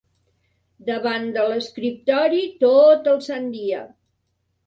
Davant de l'escriptori tot el sant dia